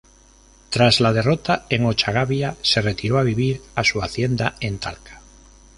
Tras la derrota en Ochagavía se retiró a vivir a su hacienda en Talca.